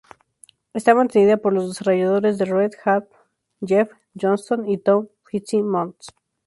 Está mantenida por los desarrolladores de Red Hat Jeff Johnston y Tom Fitzsimmons.